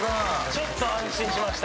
ちょっと安心しました。